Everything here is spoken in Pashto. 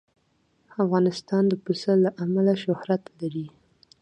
افغانستان د پسه له امله شهرت لري.